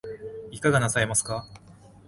いかがなさいますか